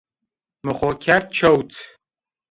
Mi xo kerd çewt